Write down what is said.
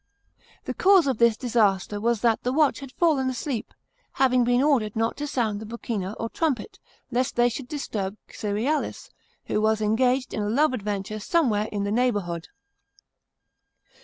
The cause of this disaster was that the watch had fallen asleep, having been ordered not to sound the bucina or trumpet, lest they should disturb Cerealis, who was engaged in a love adventure somewhere in the neighbourhood.